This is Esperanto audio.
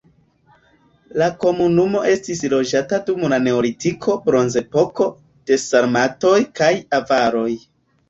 La komunumo estis loĝata dum la neolitiko, bronzepoko, de sarmatoj kaj avaroj.